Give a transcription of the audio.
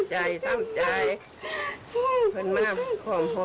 ดูดีมากจ๊ะ